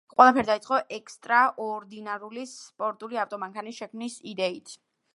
ყველაფერი დაიწყო ექსტრაორდინარული სპორტული ავტომანქანის შექმნის იდეით.